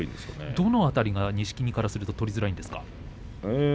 どの辺りが錦木からすると取りづらいんですか？